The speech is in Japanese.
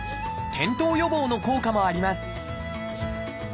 転倒予防の効果もあります。